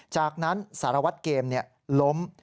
จากนั้นสารวัตรเกมล้ม